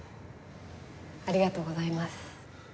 ありがとうございます。